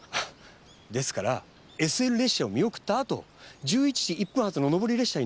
ですからＳＬ列車を見送ったあと１１時１分発の上り列車に乗って小山へ。